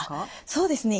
そうですね。